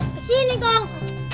ke sini kong